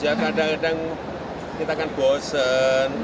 ya kadang kadang kita kan bosen